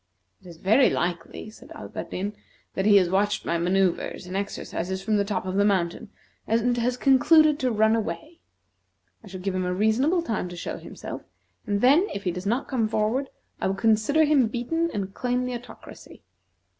"It is very likely," said Alberdin, "that he has watched my manoeuvres and exercises from the top of the mountain, and has concluded to run away. I shall give him a reasonable time to show himself, and then, if he does not come forward, I will consider him beaten, and claim the Autocracy."